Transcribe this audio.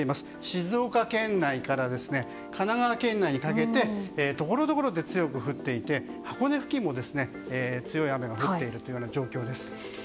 静岡県内から神奈川県内にかけてところどころで強く降っていて箱根付近も強い雨が降っているという状況です。